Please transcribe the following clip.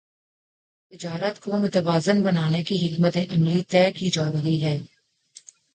تجارت کو متوازن بنانے کی حکمت عملی طے کی جارہی ہے